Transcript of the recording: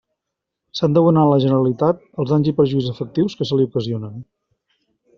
S'han d'abonar a la Generalitat els danys i perjuís efectius que se li ocasionen.